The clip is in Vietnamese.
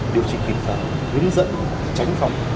điều trị kiểm soát hướng dẫn tránh phòng